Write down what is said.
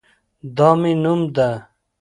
دا مې نوم ده